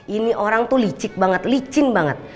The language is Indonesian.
ini orang tuh licik banget licin banget